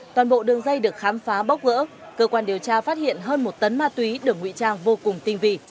toàn bộ đường dây được khám phá bóc gỡ cơ quan điều tra phát hiện hơn một tấn ma túy được ngụy trang vô cùng tinh vị